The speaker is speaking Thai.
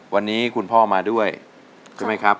วันนี้คุณพ่อมาด้วยใช่ไหมครับ